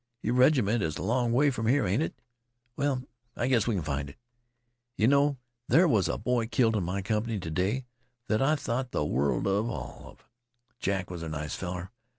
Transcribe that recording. Your reg'ment is a long way from here, ain't it? Well, I guess we can find it. Yeh know there was a boy killed in my comp'ny t' day that I thought th' world an' all of. Jack was a nice feller.